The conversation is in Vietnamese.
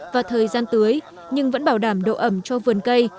và thời gian tưới nhưng vẫn bảo đảm độ ẩm cho vườn cây